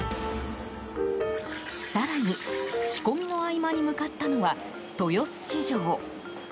更に、仕込みの合間に向かったのは豊洲市場。